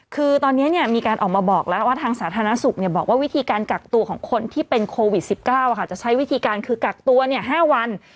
คือตอนเนี้ยเนี้ยมีการออกมาบอกแล้วว่าทางสาธารณสุขเนี้ยบอกว่าวิธีการกักตัวของคนที่เป็นโควิดสิบเก้าค่ะจะใช้วิธีการคือกักตัวเนี้ยห้าวัน